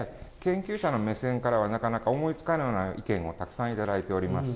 研究者の目線からはなかなか思いつかないような意見をたくさん頂いております。